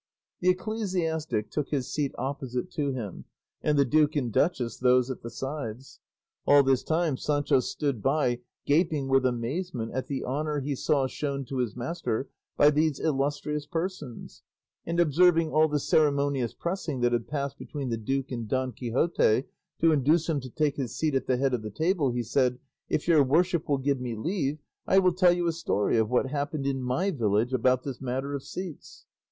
The ecclesiastic took his seat opposite to him, and the duke and duchess those at the sides. All this time Sancho stood by, gaping with amazement at the honour he saw shown to his master by these illustrious persons; and observing all the ceremonious pressing that had passed between the duke and Don Quixote to induce him to take his seat at the head of the table, he said, "If your worship will give me leave I will tell you a story of what happened in my village about this matter of seats."